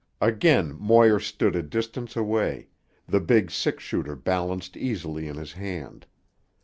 Again Moir stood a distance away, the big six shooter balanced easily in his hand.